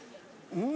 うん。